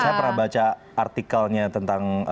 saya pernah baca artikelnya tentang